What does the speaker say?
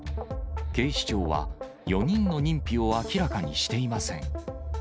警視庁は、４人の認否を明らかにしていません。